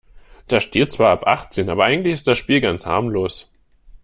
Da steht zwar ab achtzehn, aber eigentlich ist das Spiel ganz harmlos.